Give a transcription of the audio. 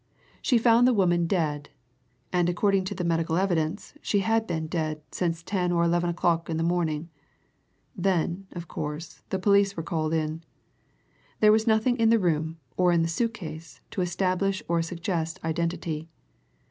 She found the woman dead and according to the medical evidence she had been dead since ten or eleven o'clock in the morning. Then, of course, the police were called in. There was nothing in the room or in the suit case to establish or suggest identity.